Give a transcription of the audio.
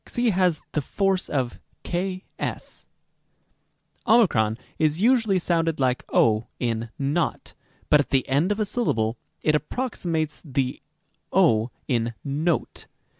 Rem. h. & has the force of ks. Rem. ὁ. o is usually sounded like ὁ in not, but at the end of a syllable it approximates to the o in note.